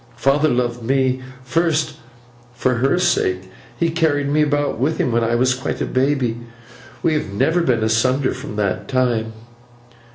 Father loved me, first, for her sake. He carried me about with him when I was quite a baby. We have never been asunder from that time.